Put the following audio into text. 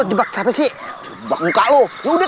tidak tidak tidak